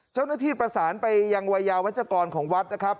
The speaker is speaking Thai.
เจ้าหน้าที่ประสานไปยังวัยยาวัชกรของวัดนะครับ